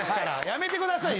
やめてください。